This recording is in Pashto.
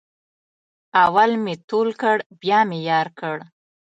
اول مې تول کړ بیا مې یار کړ.